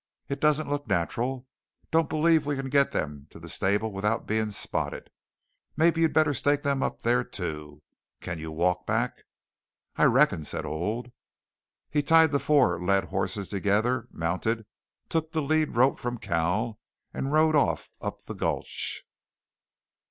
It doesn't look natural. Don't believe we can get them to the stable without being spotted. Maybe you'd better stake them up there too. Can you walk back?" "I reckon," said Old. He tied the four led horses together, mounted, took the lead rope from Cal, and rode off up the gulch.